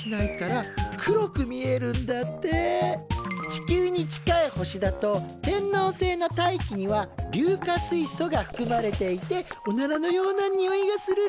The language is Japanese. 地球に近い星だと天王星の大気には硫化水素がふくまれていておならのようなニオイがするんだって。